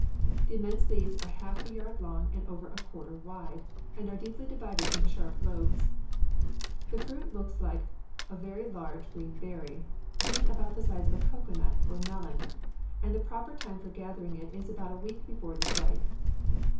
The immense leaves are half a yard long and over a quarter wide, and are deeply divided into sharp lobes. The fruit looks like a very large green berry, being about the size of a cocoanut or melon, and the proper time for gathering it is about a week before it is ripe.